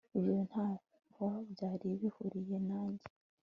ibyo ntaho byari bihuriye nanjye